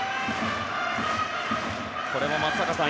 これも松坂さん